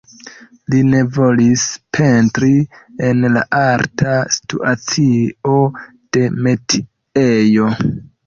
Li ne volis pentri en la arta situacio de metiejo.